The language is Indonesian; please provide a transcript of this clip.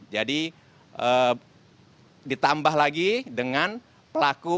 jadi ditambah lagi dengan pelaku usaha mikro kecil dan menengah